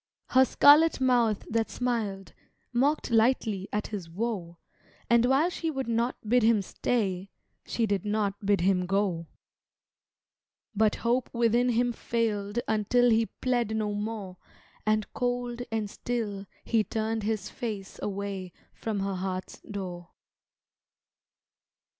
Her scarlet mouth that smiled, Mocked lightly at his woe, And while she would not bid him stay She did not bid him go. But hope within him failed Until he pled no more And cold and still he turned his face Away from her heart's door.